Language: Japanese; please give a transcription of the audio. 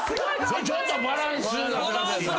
それちょっとバランスが。